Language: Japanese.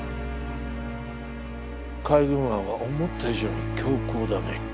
海軍案は思った以上に強硬だね。